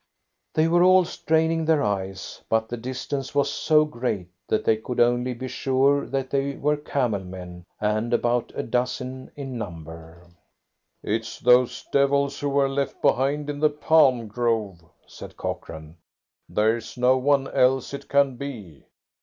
They were all straining their eyes, but the distance was so great that they could only be sure that they were camel men and about a dozen in number. "It's those devils who were left behind in the palm grove," said Cochrane. "There's no one else it can be.